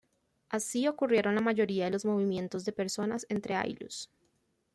Así ocurrieron la mayoría de los movimientos de personas entre ayllus.